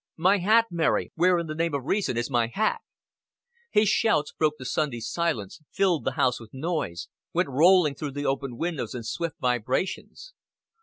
"My hat, Mary. Where in the name of reason is my hat?" His shouts broke the Sunday silence, filled the house with noise, went rolling through the open windows in swift vibrations.